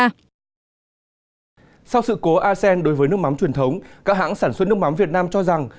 sau sự cố asean đối với nước mắm truyền thống các hãng sản xuất nước mắm việt nam cho rằng